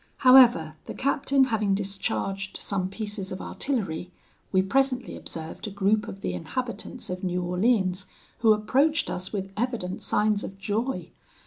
However, the captain having discharged some pieces of artillery, we presently observed a group of the inhabitants of New Orleans, who approached us with evident signs of joy.